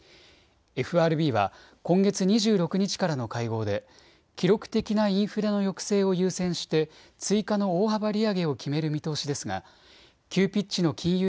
ＦＲＢは今月２６日からの会合で記録的なインフレの抑制を優先して追加の大幅利上げを決める見通しですが急ピッチの金融